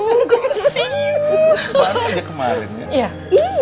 pernah aja kemarin ya